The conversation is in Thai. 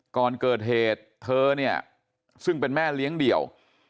ก่อนเกิดเหตุเธอเนี่ยซึ่งเป็นแม่เลี้ยงเดี่ยว